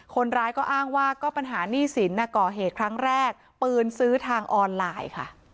คนร้ายก็อ้างว่าก็ปัญหาหนี้สินก่อเหตุครั้งแรกปืนซื้อทางออนไลน์ค่ะ